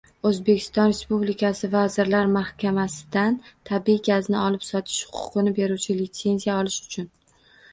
O’zbekiston Respublikasi Vazirlar Mahkamasidan tabiiy gazni olib sotish huquqini beruvchi litsenziya olish uchun